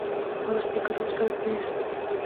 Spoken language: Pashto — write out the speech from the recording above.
ما د خپل کتاب څرک ويوست.